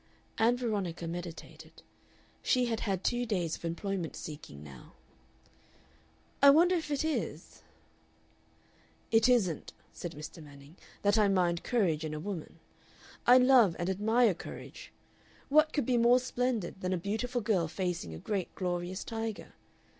Ann Veronica meditated. She had had two days of employment seeking now. "I wonder if it is." "It isn't," said Mr. Manning, "that I mind Courage in a Woman I love and admire Courage. What could be more splendid than a beautiful girl facing a great, glorious tiger?